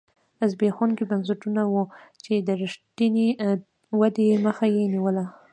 زبېښونکي بنسټونه وو چې د رښتینې ودې مخه یې نیوله.